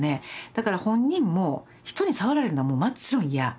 だから本人も人に触られるのはもちろん嫌。